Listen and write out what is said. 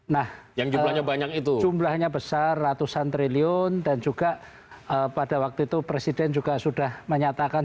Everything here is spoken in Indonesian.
nah jumlahnya besar ratusan triliun dan juga pada waktu itu presiden juga sudah menyatakan